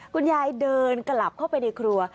คุณยายเดินกลับเข้าไปในครัว